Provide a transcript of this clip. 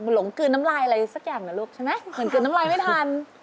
หลงกลืนน้ำลายอะไรสักอย่างนะลูกใช่ไหมเหมือนกลืนน้ำลายไม่ทัน